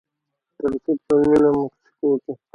د روسیې په پلازمینه مسکو کې